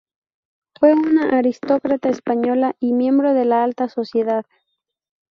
Fue una aristócrata española y miembro de la alta sociedad.